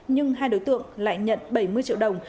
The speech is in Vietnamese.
nhưng hai đối tượng lại nhận bảy mươi triệu đồng